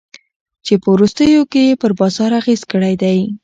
چي په وروستیو کي ئې پر بازار اغېز کړی دی.